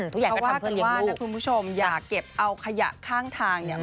เพราะถ้าเกิดว่านะคุณผู้ชมอย่าเก็บเอาขยะข้างทางเนี่ย